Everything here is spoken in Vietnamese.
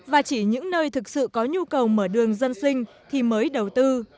và chỉ những nơi thực sự có nhu cầu mở đường dân sinh thì mới đầu tư